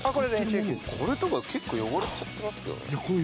これとか、結構汚れちゃってますけどね。